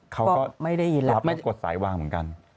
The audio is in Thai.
เขาก็รับแล้วกดสายวางเหมือนกัน